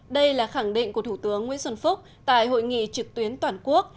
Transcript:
đây là khẳng định của thủ tướng nguyễn xuân phúc tại hội nghị trực tuyến toàn quốc